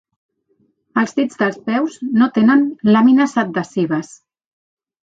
Els dits dels peus no tenen làmines adhesives.